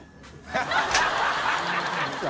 ハハハ